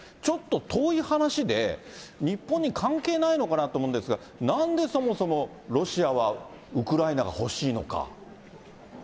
ちょっと遠い話で、日本に関係ないのかなと思うんですが、なんでそもそもロシアは、ウクライナが欲しいのか。